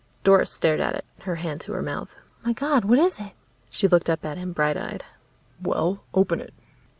Doris stared at it, her hand to her mouth. "My God, what is it?" She looked up at him, bright eyed. "Well, open it."